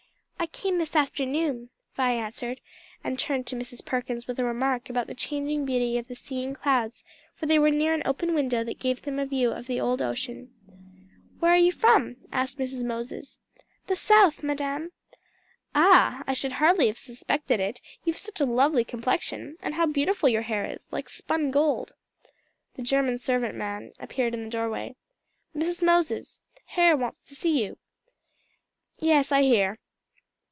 "I came this afternoon," Vi answered, and turned to Mrs. Perkins with a remark about the changing beauty of the sea and clouds; for they were near an open window that gave them a view of old ocean. "Where are you from?" asked Mrs. Moses. "The South, Madame." "Ah! I should hardly have suspected it: you've such a lovely complexion, and how beautiful your hair is! like spun gold." The German servant man appeared in the doorway. "Mrs. Moshes, Herr wants to see you." "Yes, I hear."